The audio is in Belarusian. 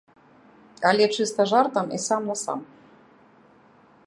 Але чыста жартам і сам-насам.